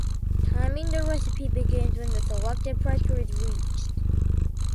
Timing the recipe begins when the selected pressure is reached.